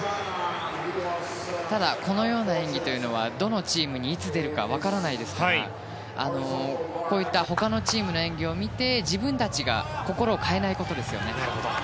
ただこのような演技はどのチームに、いつ出るか分からないですからこういった他のチームの演技を見て自分たちが心を変えないことですよね。